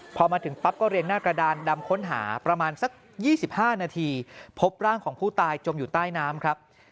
พอมาถึงปั๊บก็เรียงหน้ากระดานดำค้นหาประมาณสัก๒๕นาทีพบร่างของผู้ตายจมอยู่ใต้น้ำครับ